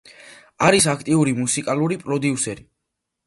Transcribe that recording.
არის აქტიური მუსიკალური პროდიუსერი.